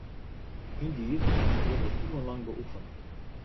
Yndied, it wurdt al iuwenlang beoefene.